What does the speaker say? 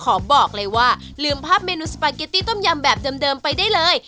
ขอบอกเลยว่าลืมภาพเมนูสปาเกตตี้ต้มยำแบบเดิมไปได้เลย